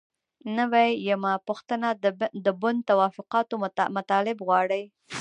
نوي یمه پوښتنه د بن توافقاتو مطالب غواړي.